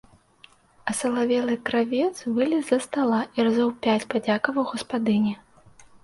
Асалавелы кравец вылез з-за стала і разоў пяць падзякаваў гаспадыні.